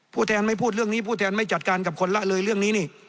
แทนไม่พูดเรื่องนี้ผู้แทนไม่จัดการกับคนละเลยเรื่องนี้นี่